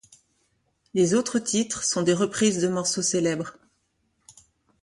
Les autres titres sont des reprises de morceaux célèbres.